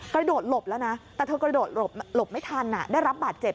กระโดดหลบแล้วนะแต่เธอกระโดดหลบไม่ทันได้รับบาดเจ็บ